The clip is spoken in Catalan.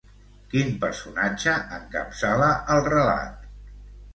Quin personatge encapçala el relat?